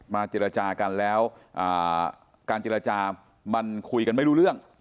เจรจากันแล้วการเจรจามันคุยกันไม่รู้เรื่อง